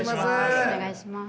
お願いします。